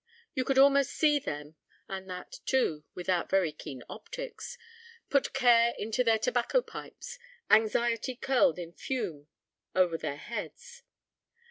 You could almost see them (and that, too, without very keen optics) put care into their tobacco pipes, anxiety curled in fume over their heads.